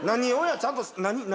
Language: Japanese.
ちゃんと何？